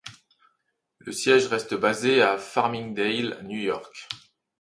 Le siège reste basé à Farmingdale, New York.